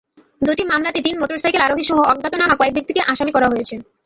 দুটি মামলাতে তিন মোটরসাইকেল আরোহীসহ অজ্ঞাতনামা কয়েক ব্যক্তিকে আসামি করা হয়েছে।